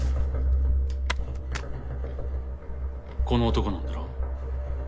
この男なんだろ？